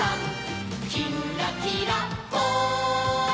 「きんらきらぽん」